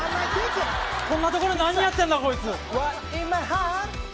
こんなところで何やってんだこいつ。